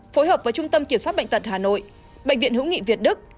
phối hợp với trung tâm kiểm soát bệnh tật hà nội bệnh viện hữu nghị việt đức